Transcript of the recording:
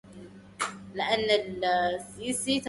سيخزى إذا ضنت حلائب مالك